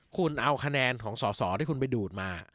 คุณเอาคะแนนของสอสอที่คุณไปดูดมา